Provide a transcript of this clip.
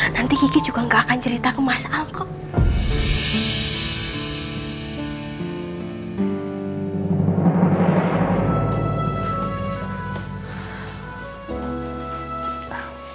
nanti kiki juga gak akan cerita ke mas alkom